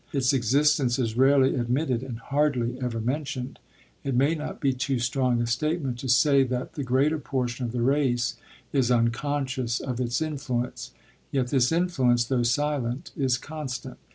Its existence is rarely admitted and hardly ever mentioned; it may not be too strong a statement to say that the greater portion of the race is unconscious of its influence; yet this influence, though silent, is constant.